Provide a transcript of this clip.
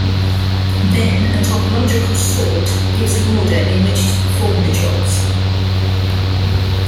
Then, a topological sort gives an order in which to perform the jobs.